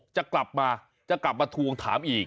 จะกลับมาทวงถามอีก